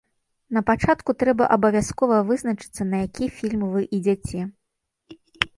Напачатку трэба абавязкова вызначыцца, на які фільм вы ідзяце.